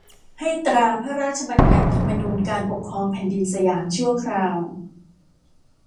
ให้ตราพระราชบัญญัติธรรมนูญการปกครองแผ่นดินสยามชั่วคราว